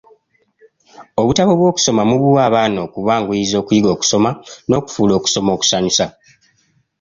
Obutabo bw'okusoma mubuwa abaana okubanguyiza okuyiga okusoma n'okufuula okusoma okusanyusa.